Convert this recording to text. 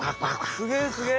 すげえすげえ！